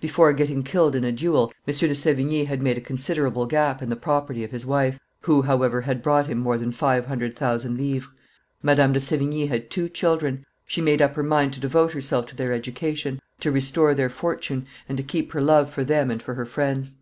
Before getting killed in a duel, M. de Sevigne had made a considerable gap in the property of his wife, who, however, had brought him more than five hundred thousand livres. Madame de Sevigne had two children: she made up her mind to devote herself to their education, to restore their fortune, and to keep her love for them and for her friends.